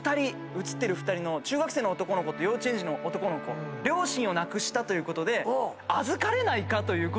写ってる２人の中学生の男の子と幼稚園児の男の子両親を亡くしたということで預かれないか？ということで。